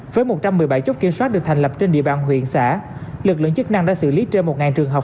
với một trăm một mươi bảy chốt kiểm soát được thành lập trên địa bàn huyện xã lực lượng chức năng đã xử lý trên một trường hợp